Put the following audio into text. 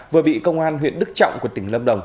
vừa bị công an huyện đức trọng của tỉnh lâm đồng